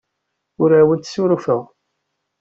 Ur awent-ssurufeɣ.